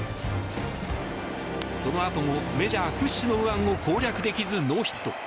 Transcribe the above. そのあともメジャー屈指の右腕を攻略できず、ノーヒット。